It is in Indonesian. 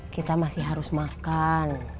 kita masih harus makan